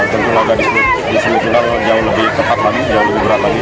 tentu laga di semifinal jauh lebih ketat lagi jauh lebih berat lagi